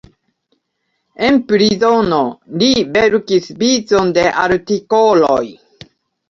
En prizono li verkis vicon de artikoloj.